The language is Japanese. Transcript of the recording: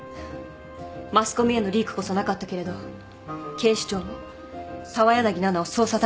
マスコミへのリークこそなかったけれど警視庁も澤柳菜々を捜査対象にしていた。